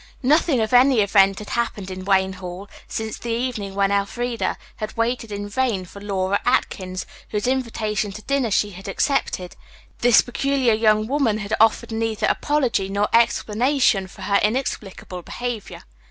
Nothing of any event had happened at Wayne Hall. Since the evening when Elfreda had waited in vain for Laura Atkins, whose invitation to dinner she had accepted, this peculiar young woman had offered neither apology nor explanation for her inexplicable behavior.